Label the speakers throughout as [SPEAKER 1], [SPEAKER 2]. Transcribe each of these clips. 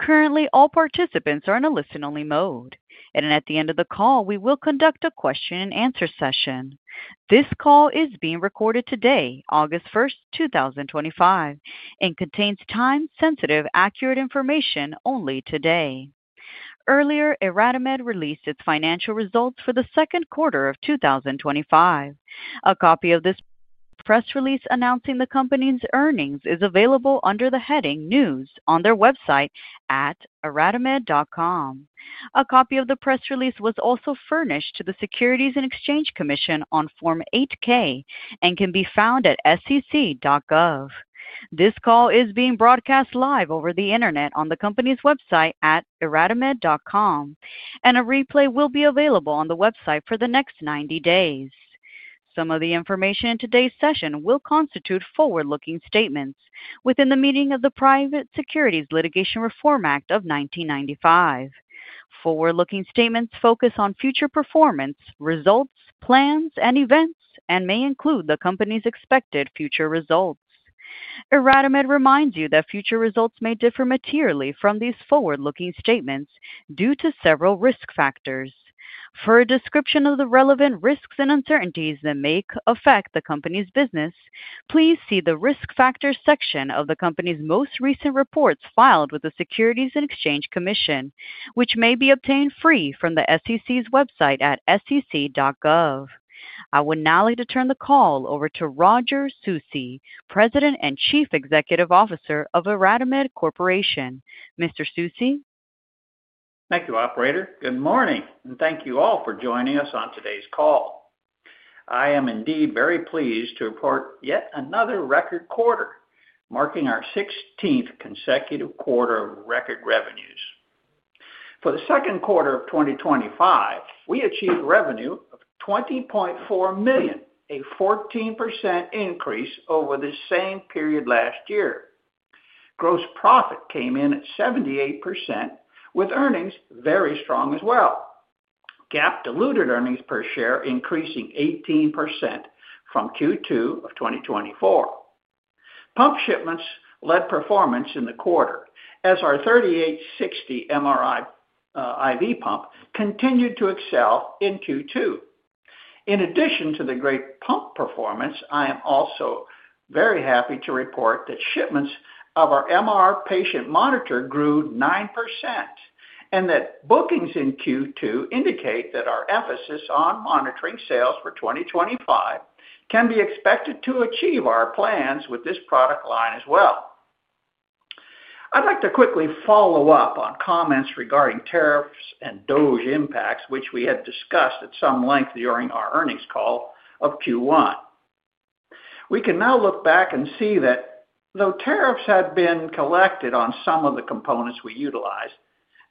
[SPEAKER 1] Currently, all participants are in a listen-only mode, and at the end of the call, we will conduct a question-and-answer session. This call is being recorded today, August 1st, 2025, and contains time-sensitive, accurate information only today. Earlier, IRadimed released its financial results for the second quarter of 2025. A copy of this press release announcing the company's earnings is available under the heading News on their website at iradimed.com. A copy of the press release was also furnished to the Securities and Exchange Commission on Form 8K and can be found at sec.gov. This call is being broadcast live over the internet on the company's website at iradimed.com, and a replay will be available on the website for the next 90 days. Some of the information in today's session will constitute forward-looking statements within the meaning of the Private Securities Litigation Reform Act of 1995. Forward-looking statements focus on future performance, results, plans, and events, and may include the company's expected future results. IRadimed reminds you that future results may differ materially from these forward-looking statements due to several risk factors. For a description of the relevant risks and uncertainties that may affect the company's business, please see the risk factors section of the company's most recent reports filed with the Securities and Exchange Commission, which may be obtained free from the SEC's website at sec.gov. I would now like to turn the call over to Roger Susi, President and Chief Executive Officer of IRadimed Corporation. Mr. Susi.
[SPEAKER 2] Thank you, Operator. Good morning, and thank you all for joining us on today's call. I am indeed very pleased to report yet another record quarter marking our 16th consecutive quarter of record revenues. For the second quarter of 2025, we achieved revenue of $20.4 million, a 14% increase over the same period last year. Gross profit came in at 78%, with earnings very strong as well. GAAP diluted earnings per share increasing 18% from Q2 of 2024. Pump shipments led performance in the quarter, as our 3860+ MRI IV pump continued to excel in Q2. In addition to the great pump performance, I am also very happy to report that shipments of our MR patient monitor grew 9%. Bookings in Q2 indicate that our emphasis on monitoring sales for 2025 can be expected to achieve our plans with this product line as well. I'd like to quickly follow up on comments regarding tariffs and DOGE impacts, which we had discussed at some length during our earnings call of Q1. We can now look back and see that though tariffs had been collected on some of the components we utilized,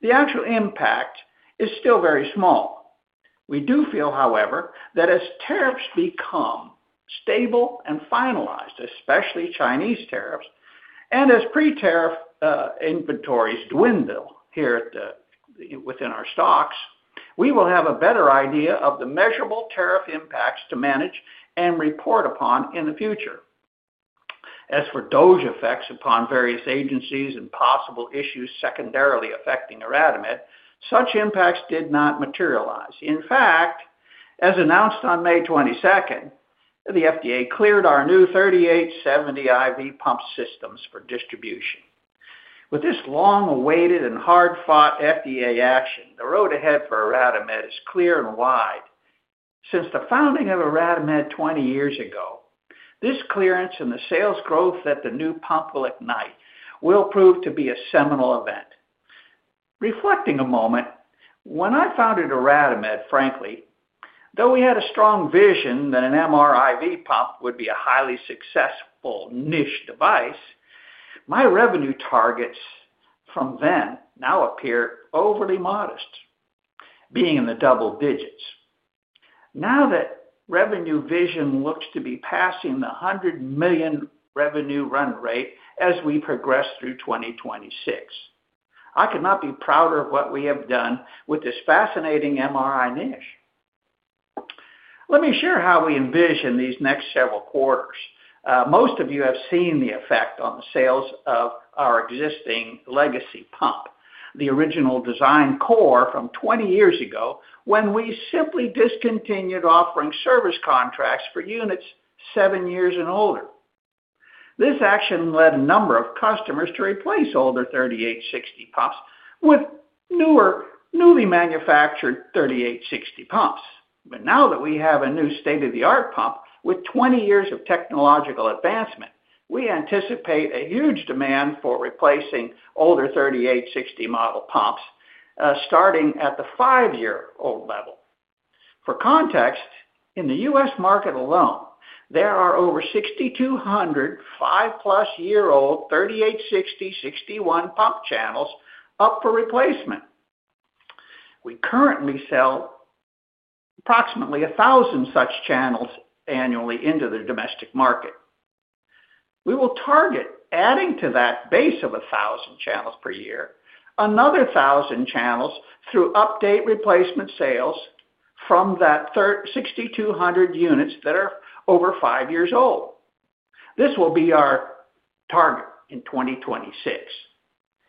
[SPEAKER 2] the actual impact is still very small. We do feel, however, that as tariffs become stable and finalized, especially Chinese tariffs, and as pre-tariff inventories dwindle here within our stocks, we will have a better idea of the measurable tariff impacts to manage and report upon in the future. As for DOGE effects upon various agencies and possible issues secondarily affecting IRadimed, such impacts did not materialize. In fact, as announced on May 22nd, the FDA cleared our new 3870 IV pump systems for distribution. With this long-awaited and hard-fought FDA action, the road ahead for IRadimed is clear and wide. Since the founding of IRadimed 20 years ago, this clearance and the sales growth that the new pump will ignite will prove to be a seminal event. Reflecting a moment, when I founded IRadimed, frankly, though we had a strong vision that an MRI IV pump would be a highly successful niche device, my revenue targets from then now appear overly modest. Being in the double digits. Now that revenue vision looks to be passing the $100 million revenue run rate as we progress through 2026. I could not be prouder of what we have done with this fascinating MRI niche. Let me share how we envision these next several quarters. Most of you have seen the effect on the sales of our existing legacy pump, the original design core from 20 years ago when we simply discontinued offering service contracts for units seven years and older. This action led a number of customers to replace older 3860+ pumps with newer newly manufactured 3860+ pumps. Now that we have a new state-of-the-art pump with 20 years of technological advancement, we anticipate a huge demand for replacing older 3860+ model pumps starting at the five-year-old level. For context, in the U.S. market alone, there are over 6,200 five-plus-year-old 3860-61 pump channels up for replacement. We currently sell approximately 1,000 such channels annually into the domestic market. We will target adding to that base of 1,000 channels per year, another 1,000 channels through update replacement sales from that 6,200 units that are over five years old. This will be our target in 2026.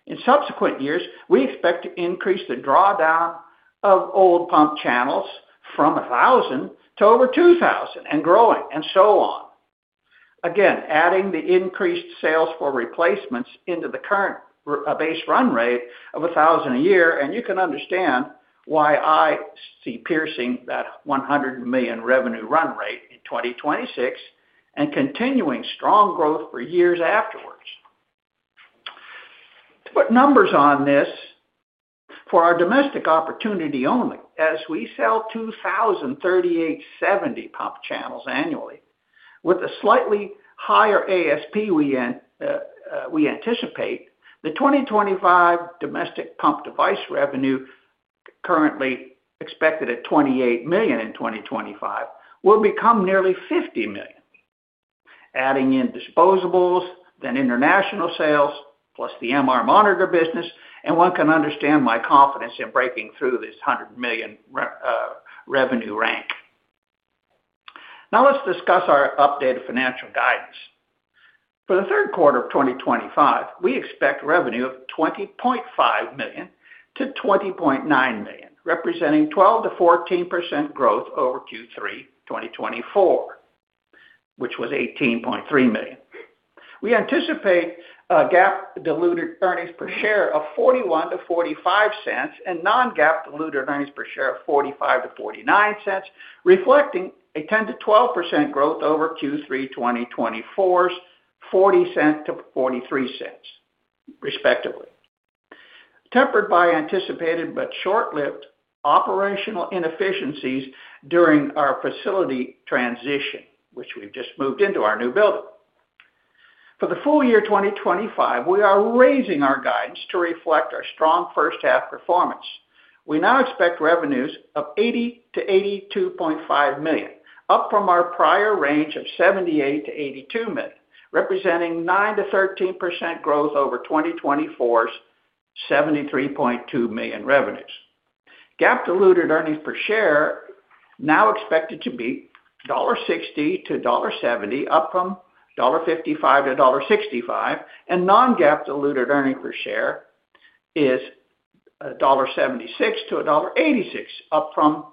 [SPEAKER 2] In subsequent years, we expect to increase the drawdown of old pump channels from 1,000 to over 2,000 and growing and so on. Again, adding the increased sales for replacements into the current base run rate of 1,000 a year, and you can understand why I see piercing that $100 million revenue run rate in 2026 and continuing strong growth for years afterwards. To put numbers on this, for our domestic opportunity only, as we sell 2,000 3870 pump channels annually with a slightly higher ASP we anticipate the 2025 domestic pump device revenue, currently expected at $28 million in 2025, will become nearly $50 million. Adding in disposables, then international sales plus the MR monitor business, and one can understand my confidence in breaking through this $100 million revenue rank. Now let's discuss our updated financial guidance. For the third quarter of 2025, we expect revenue of $20.5 million-$20.9 million, representing 12%-14% growth over Q3 2024, which was $18.3 million. We anticipate GAAP diluted earnings per share of $0.41-$0.45 and non-GAAP diluted earnings per share of $0.45-$0.49, reflecting a 10%-12% growth over Q3 2024's $0.40-$0.43 respectively, tempered by anticipated but short-lived operational inefficiencies during our facility transition, which we've just moved into our new building. For the full year 2025, we are raising our guidance to reflect our strong first-half performance. We now expect revenues of $80 million-$82.5 million, up from our prior range of $78 million-$82 million, representing 9%-13% growth over 2024's $73.2 million revenues. GAAP diluted earnings per share now expected to be $1.60-$1.70, up from $1.55-$1.65, and non-GAAP diluted earnings per share is $1.76-$1.86, up from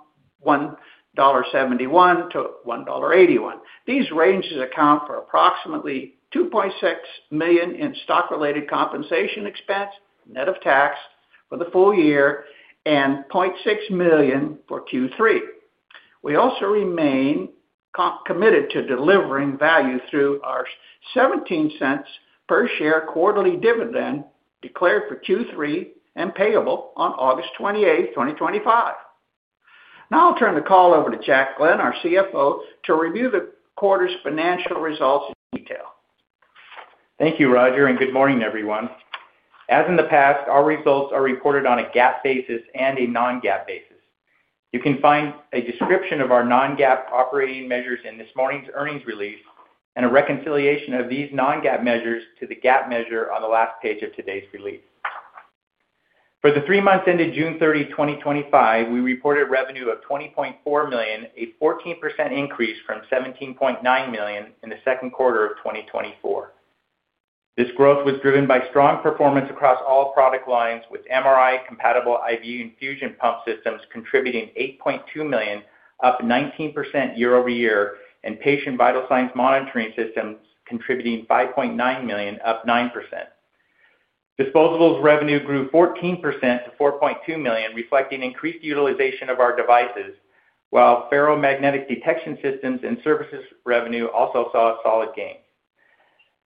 [SPEAKER 2] $1.71-$1.81. These ranges account for approximately $2.6 million in stock-related compensation expense, net of tax, for the full year and $0.6 million for Q3. We also remain committed to delivering value through our $0.17 per share quarterly dividend declared for Q3 and payable on August 28th, 2025. Now I'll turn the call over to Jack Glenn, our CFO, to review the quarter's financial results in detail.
[SPEAKER 3] Thank you, Roger, and good morning, everyone. As in the past, our results are reported on a GAAP basis and a non-GAAP basis. You can find a description of our non-GAAP operating measures in this morning's earnings release and a reconciliation of these non-GAAP measures to the GAAP measure on the last page of today's release. For the three months ended June 30, 2025, we reported revenue of $20.4 million, a 14% increase from $17.9 million in the second quarter of 2024. This growth was driven by strong performance across all product lines, with MRI compatible IV infusion pump systems contributing $8.2 million, up 19% year over year, and patient vital signs monitoring systems contributing $5.9 million, up 9%. Disposables revenue grew 14% to $4.2 million, reflecting increased utilization of our devices, while ferromagnetic detection systems and service revenue also saw solid gains.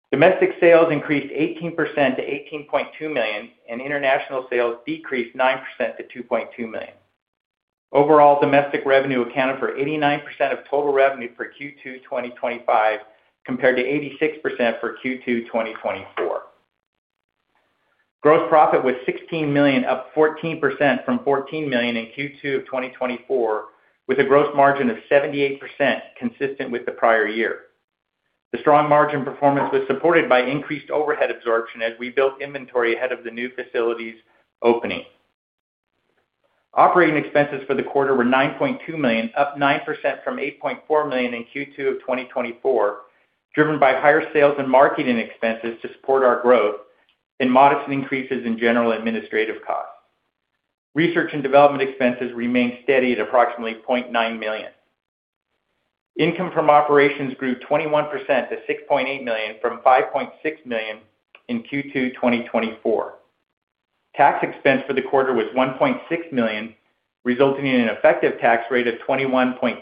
[SPEAKER 3] Domestic sales increased 18% to $18.2 million, and international sales decreased 9% to $2.2 million. Overall, domestic revenue accounted for 89% of total revenue for Q2 2025, compared to 86% for Q2 2024. Gross profit was $16 million, up 14% from $14 million in Q2 of 2024, with a gross margin of 78%, consistent with the prior year. The strong margin performance was supported by increased overhead absorption as we built inventory ahead of the new facilities opening. Operating expenses for the quarter were $9.2 million, up 9% from $8.4 million in Q2 of 2024, driven by higher sales and marketing expenses to support our growth and modest increases in general administrative costs. Research and development expenses remained steady at approximately $0.9 million. Income from operations grew 21% to $6.8 million from $5.6 million in Q2 2024. Tax expense for the quarter was $1.6 million, resulting in an effective tax rate of 21.2%.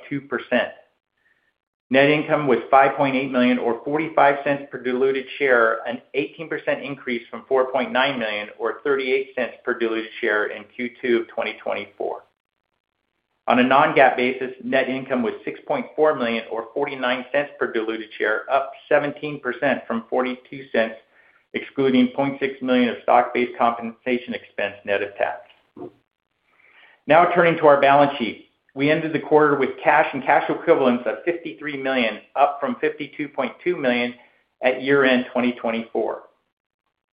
[SPEAKER 3] Net income was $5.8 million, or $0.45 per diluted share, an 18% increase from $4.9 million, or $0.38 per diluted share in Q2 of 2024. On a non-GAAP basis, net income was $6.4 million, or $0.49 per diluted share, up 17% from $0.42, excluding $0.6 million of stock-based compensation expense net of tax. Now turning to our balance sheet, we ended the quarter with cash and cash equivalents of $53 million, up from $52.2 million at year-end 2024.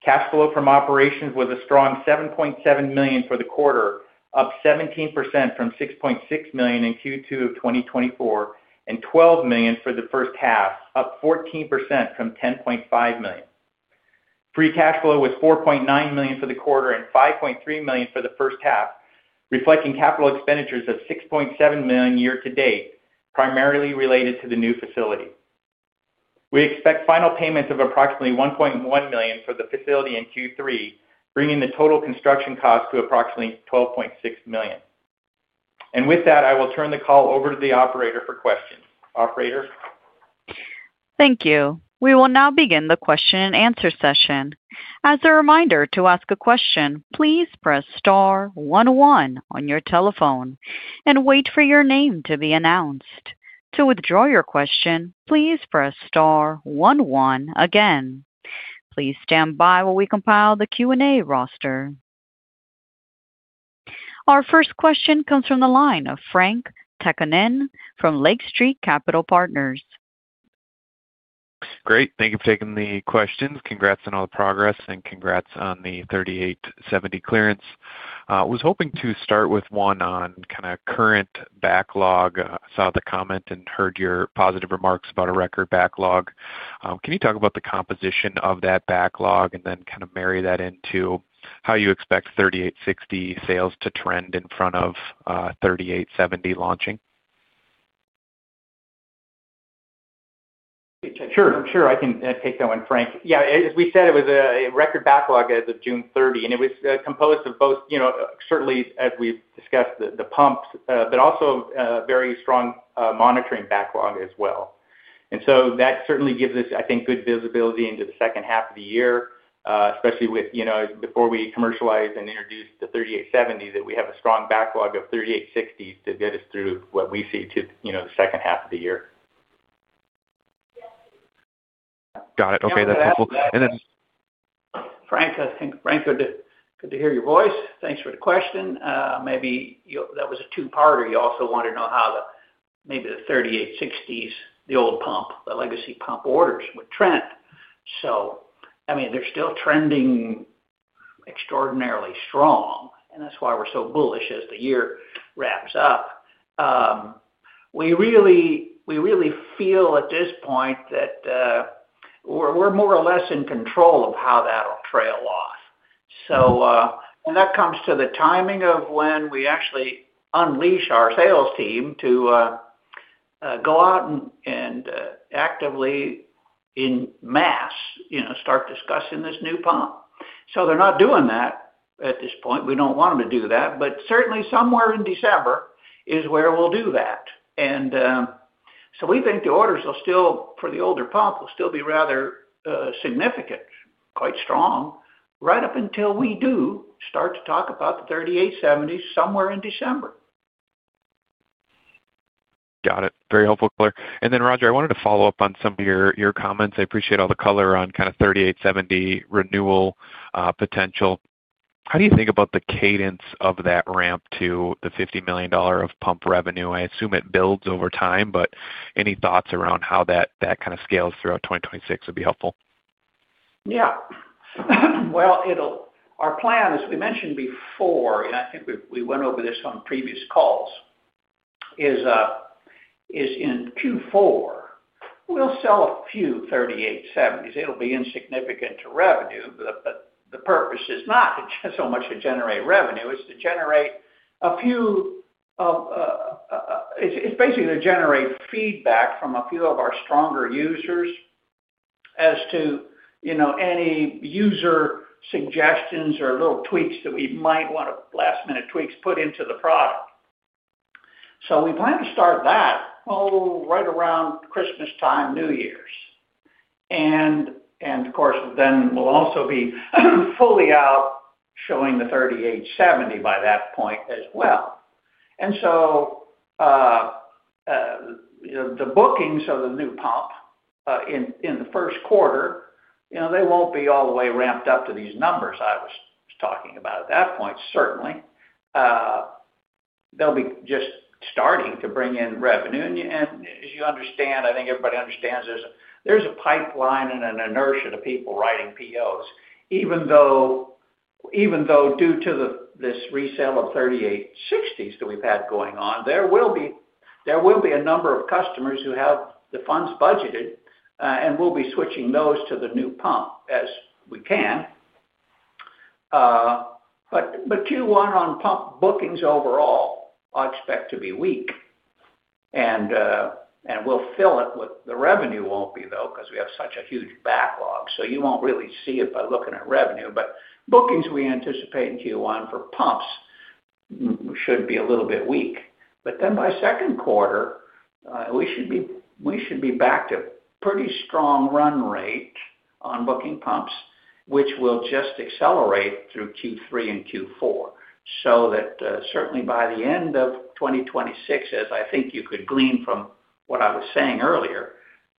[SPEAKER 3] Cash flow from operations was a strong $7.7 million for the quarter, up 17% from $6.6 million in Q2 of 2024, and $12 million for the first half, up 14% from $10.5 million. Free cash flow was $4.9 million for the quarter and $5.3 million for the first half, reflecting capital expenditures of $6.7 million year to date, primarily related to the new facility. We expect final payments of approximately $1.1 million for the facility in Q3, bringing the total construction cost to approximately $12.6 million. I will turn the call over to the operator for questions. Operator.
[SPEAKER 1] Thank you. We will now begin the question and answer session. As a reminder to ask a question, please press star 11 on your telephone and wait for your name to be announced. To withdraw your question, please press star 11 again. Please stand by while we compile the Q&A roster. Our first question comes from the line of Frank Takkinen from Lake Street Capital Partners.
[SPEAKER 4] Thanks. Great. Thank you for taking the questions. Congrats on all the progress and congrats on the 3870 clearance. I was hoping to start with one on kind of current backlog. I saw the comment and heard your positive remarks about a record backlog. Can you talk about the composition of that backlog and then kind of marry that into how you expect 3860+ sales to trend in front of 3870 launching?
[SPEAKER 3] Sure. I can take that one, Frank. Yeah. As we said, it was a record backlog as of June 30, and it was composed of both, certainly, as we've discussed, the pumps, but also a very strong monitoring backlog as well. That certainly gives us, I think, good visibility into the second half of the year, especially before we commercialize and introduce the 3870, that we have a strong backlog of 3860s to get us through what we see to the second half of the year.
[SPEAKER 4] Got it. Okay. That's helpful. And then.
[SPEAKER 2] Frank, good to hear your voice. Thanks for the question. Maybe that was a two-parter. You also want to know how maybe the 3860s, the old pump, the legacy pump orders would trend. I mean, they're still trending extraordinarily strong, and that's why we're so bullish as the year wraps up. We really feel at this point that we're more or less in control of how that will trail off. That comes to the timing of when we actually unleash our sales team to go out and actively in mass start discussing this new pump. They're not doing that at this point. We do not want them to do that, but certainly somewhere in December is where we'll do that. We think the orders for the older pump will still be rather significant, quite strong, right up until we do start to talk about the 3870s somewhere in December.
[SPEAKER 4] Got it. Very helpful there. Roger, I wanted to follow up on some of your comments. I appreciate all the color on kind of 3870 renewal potential. How do you think about the cadence of that ramp to the $50 million of pump revenue? I assume it builds over time, but any thoughts around how that kind of scales throughout 2026 would be helpful.
[SPEAKER 2] Yeah. Our plan, as we mentioned before, and I think we went over this on previous calls, is in Q4. We'll sell a few 3870s. It'll be insignificant to revenue, but the purpose is not so much to generate revenue. It's to generate a few, it's basically to generate feedback from a few of our stronger users as to any user suggestions or little tweaks that we might want to, last-minute tweaks, put into the product. We plan to start that right around Christmastime, New Year's. Of course, then we'll also be fully out showing the 3870 by that point as well. The bookings of the new pump in the first quarter, they won't be all the way ramped up to these numbers I was talking about at that point, certainly. They'll be just starting to bring in revenue. As you understand, I think everybody understands there's a pipeline and an inertia to people writing POs. Even though, due to this resale of 3860s that we've had going on, there will be a number of customers who have the funds budgeted and will be switching those to the new pump as we can. Q1 on pump bookings overall, I expect to be weak. We'll fill it with, the revenue won't be though because we have such a huge backlog. You won't really see it by looking at revenue. Bookings we anticipate in Q1 for pumps should be a little bit weak. By second quarter, we should be back to a pretty strong run rate on booking pumps, which will just accelerate through Q3 and Q4. Certainly by the end of 2026, as I think you could glean from what I was saying earlier,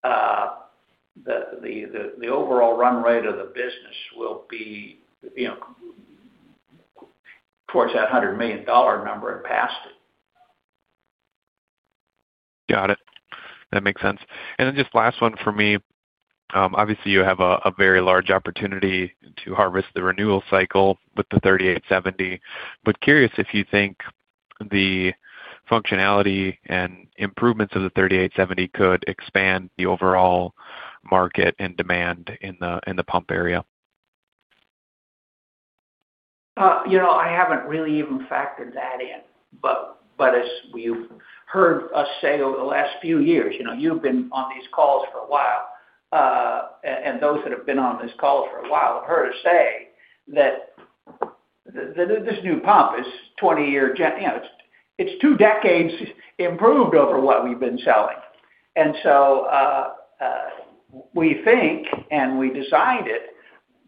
[SPEAKER 2] the overall run rate of the business will be towards that $100 million number and past it.
[SPEAKER 4] Got it. That makes sense. And then just last one for me. Obviously, you have a very large opportunity to harvest the renewal cycle with the 3870, but curious if you think the functionality and improvements of the 3870 could expand the overall market and demand in the pump area.
[SPEAKER 2] I haven't really even factored that in, but as you've heard us say over the last few years, you've been on these calls for a while. Those that have been on this call for a while have heard us say that. This new pump is 20-year—it's two decades improved over what we've been selling. We think and we designed it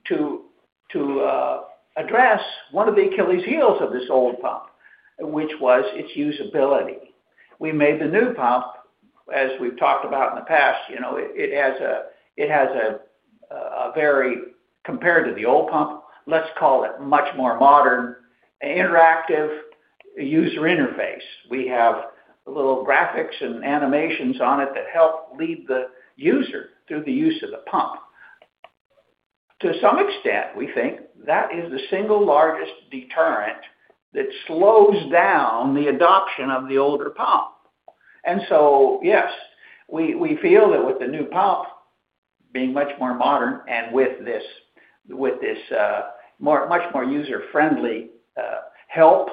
[SPEAKER 2] to address one of the Achilles heels of this old pump, which was its usability. We made the new pump, as we've talked about in the past, it has a very, compared to the old pump, let's call it much more modern, interactive user interface. We have little graphics and animations on it that help lead the user through the use of the pump. To some extent, we think that is the single largest deterrent that slows down the adoption of the older pump. Yes, we feel that with the new pump being much more modern and with this much more user-friendly help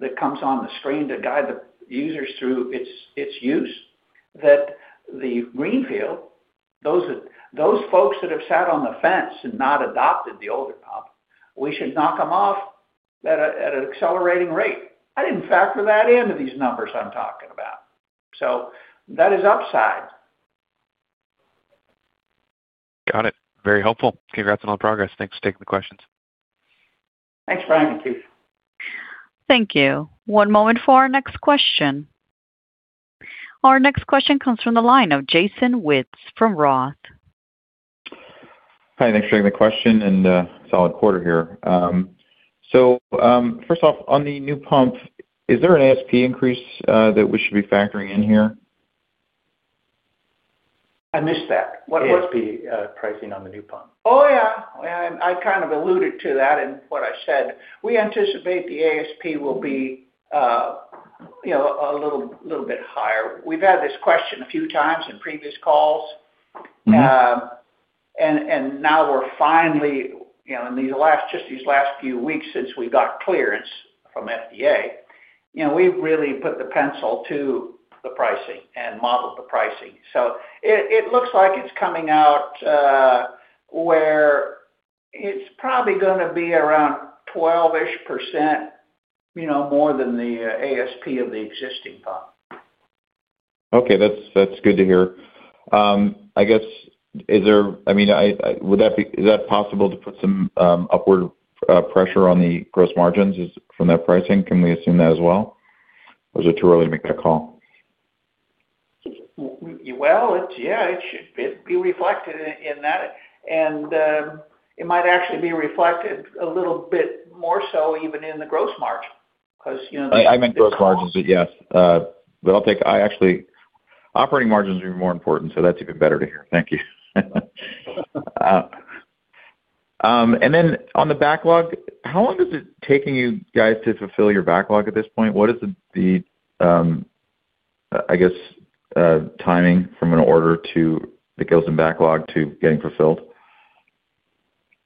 [SPEAKER 2] that comes on the screen to guide the users through its use, that the greenfield, those folks that have sat on the fence and not adopted the older pump, we should knock them off at an accelerating rate. I didn't factor that into these numbers I'm talking about. That is upside.
[SPEAKER 4] Got it. Very helpful. Congrats on all the progress. Thanks for taking the questions.
[SPEAKER 2] Thanks, Frank.
[SPEAKER 1] Thank you. One moment for our next question. Our next question comes from the line of Jason Wittes from ROTH.
[SPEAKER 5] Hi. Thanks for taking the question and solid quarter here. First off, on the new pump, is there an ASP increase that we should be factoring in here?
[SPEAKER 2] I missed that. What?
[SPEAKER 3] ASP pricing on the new pump.
[SPEAKER 2] Oh, yeah. I kind of alluded to that in what I said. We anticipate the ASP will be a little bit higher. We've had this question a few times in previous calls. Now we're finally, in these last, just these last few weeks since we got clearance from FDA, we've really put the pencil to the pricing and modeled the pricing. It looks like it's coming out where it's probably going to be around 12-ish% more than the ASP of the existing pump.
[SPEAKER 5] Okay. That's good to hear. I guess, is there, I mean, would that be, is that possible to put some upward pressure on the gross margins from that pricing? Can we assume that as well? Or is it too early to make that call?
[SPEAKER 2] Yeah, it should be reflected in that. It might actually be reflected a little bit more so even in the gross margin because.
[SPEAKER 5] I meant gross margins, yes. I'll take, actually, operating margins are even more important, so that's even better to hear. Thank you. On the backlog, how long is it taking you guys to fulfill your backlog at this point? What is the, I guess, timing from an order that goes in backlog to getting fulfilled?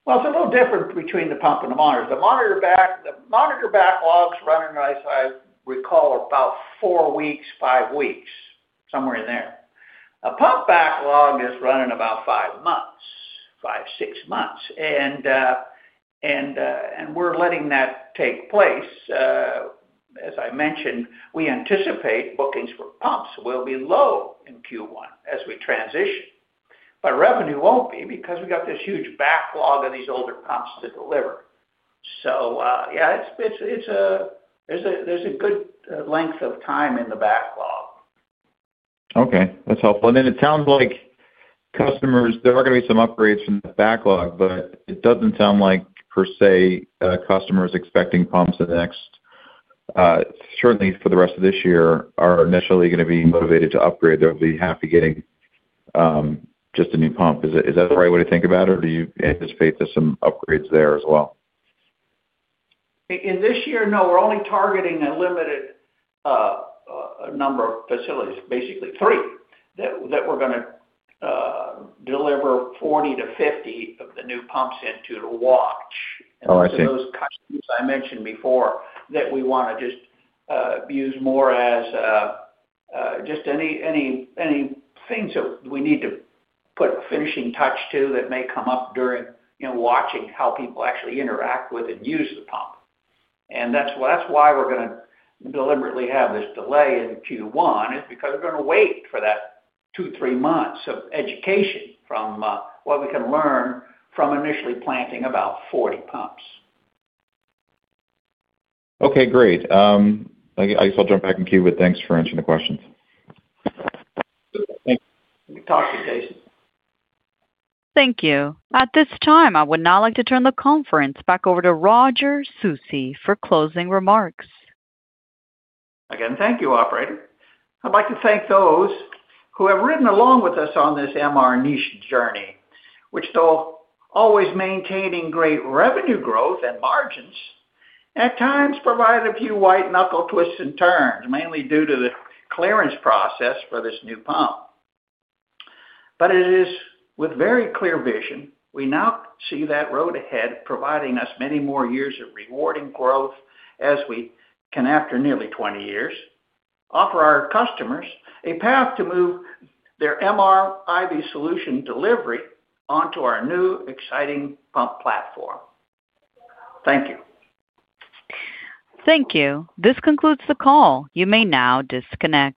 [SPEAKER 2] It's a little different between the pump and the monitor. The monitor backlog is running, as I recall, about four weeks, five weeks, somewhere in there. A pump backlog is running about five months, five, six months. We're letting that take place. As I mentioned, we anticipate bookings for pumps will be low in Q1 as we transition. Revenue will not be because we got this huge backlog of these older pumps to deliver. Yeah, it's a good length of time in the backlog.
[SPEAKER 5] Okay. That's helpful. It sounds like customers, there are going to be some upgrades from the backlog, but it doesn't sound like per se customers expecting pumps in the next, certainly for the rest of this year, are initially going to be motivated to upgrade. They'll be happy getting just a new pump. Is that the right way to think about it, or do you anticipate there's some upgrades there as well?
[SPEAKER 2] In this year, no. We're only targeting a limited number of facilities, basically three, that we're going to deliver 40-50 of the new pumps into to watch. Those customers I mentioned before, we want to just use more as just any things that we need to put a finishing touch to that may come up during watching how people actually interact with and use the pump. That's why we're going to deliberately have this delay in Q1, because we're going to wait for that two, three months of education from what we can learn from initially planting about 40 pumps.
[SPEAKER 5] Okay. Great. I guess I'll jump back in queue, but thanks for answering the questions.
[SPEAKER 3] We talked to Jason.
[SPEAKER 1] Thank you. At this time, I would now like to turn the conference back over to Roger Susi for closing remarks.
[SPEAKER 2] Again, thank you, operator. I'd like to thank those who have ridden along with us on this MR niche journey, which though always maintaining great revenue growth and margins at times provided a few white-knuckle twists and turns, mainly due to the clearance process for this new pump. It is with very clear vision. We now see that road ahead providing us many more years of rewarding growth as we can, after nearly 20 years, offer our customers a path to move their MR IV solution delivery onto our new exciting pump platform. Thank you.
[SPEAKER 1] Thank you. This concludes the call. You may now disconnect.